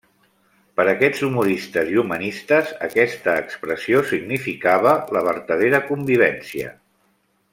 Per aquests humoristes i humanistes, aquesta expressió significava la vertadera convivència.